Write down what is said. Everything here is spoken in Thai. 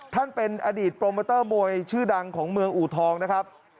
ท่านเป็นอดีตโปรโมเตอร์มวยชื่อดังของเมืองอูทองนะครับ